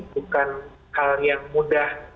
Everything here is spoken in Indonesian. bukan hal yang mudah